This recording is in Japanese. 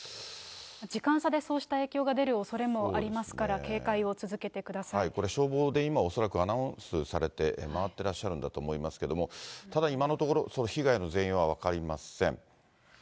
時間差でそうした影響が出るおそれもありますから、警戒を続これ、消防で今、恐らくアナウンスされて回ってらっしゃるんだと思いますけれども、ただ今のところ、被害の全容は分かりません。